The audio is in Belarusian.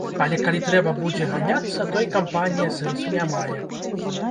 Але калі трэба будзе ганяцца, то і кампанія сэнсу не мае.